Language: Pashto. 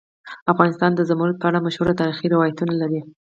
افغانستان د زمرد په اړه مشهور تاریخی روایتونه لري.